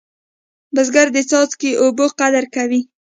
بزګر د څاڅکي اوبه قدر کوي